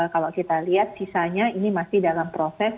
kalau kita lihat sisanya ini masih dalam proses